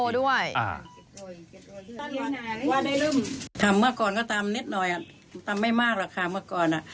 ด้วยทำเมื่อก่อนก็ตำนิดหน่อยตำไม่มากหรอกค่ะเมื่อก่อนอ่ะ